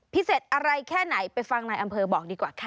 พิเศษอะไรแค่ไหนไปฟังนายอำเภอบอกดีกว่าค่ะ